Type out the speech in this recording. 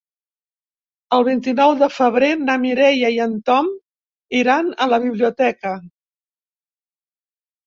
El vint-i-nou de febrer na Mireia i en Tom iran a la biblioteca.